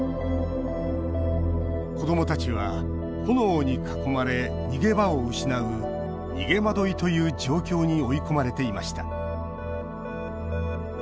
子どもたちは炎に囲まれ逃げ場を失う「逃げ惑い」という状況に追い込まれていました